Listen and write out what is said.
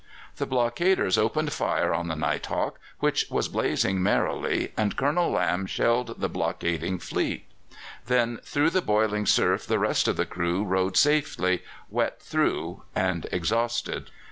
The blockaders opened fire on the Night Hawk, which was blazing merrily, and Colonel Lamb shelled the blockading fleet; then through the boiling surf the rest of the crew rowed safely, wet through and exhausted.